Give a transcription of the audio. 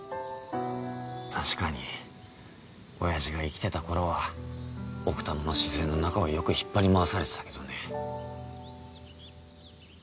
確かに親父が生きてた頃は奥多摩の自然の中をよく引っ張りまわされてたけどね。